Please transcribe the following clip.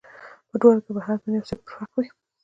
په دواړو کې به یو حتما یو څه پر حق وي.